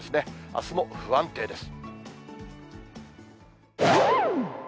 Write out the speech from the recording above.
あすも不安定です。